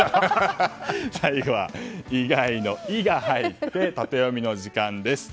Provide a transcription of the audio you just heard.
最後は意外の「イ」が入ってタテヨミの時間です。